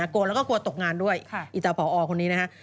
กลัวแล้วก็กลัวตกงานด้วยอีตาผอคนนี้นะฮะ